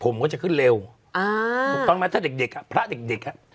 ผมก็จะขึ้นเร็วอ่าถูกต้องไหมถ้าเด็กเด็กอ่ะพระเด็กเด็กอ่ะ